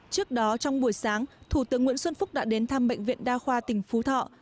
trước đó trong buổi sáng thủ tướng nguyễn xuân phúc đã đến thăm bệnh viện đa khoa tỉnh phú thọ